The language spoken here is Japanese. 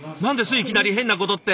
いきなり変なことって。